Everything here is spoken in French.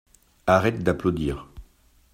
Arrête d’applaudir.